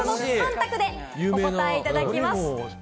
この３択でお答えいただきます。